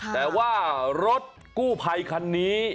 แต่ว่ารถกู้ภัยคันนี้